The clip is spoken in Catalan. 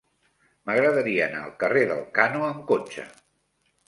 M'agradaria anar al carrer d'Elkano amb cotxe.